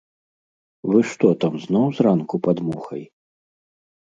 Вы што там, зноў зранку пад мухай!